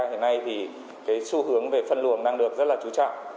hiện nay xu hướng về phân luồng đang được rất chú trọng